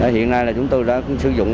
hiện nay chúng tôi đã sử dụng